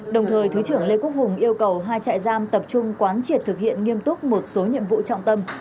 đồng thời thứ trưởng lê quốc hùng yêu cầu hai trại giam tập trung quán triệt thực hiện nghiêm túc một số nhiệm vụ trọng tâm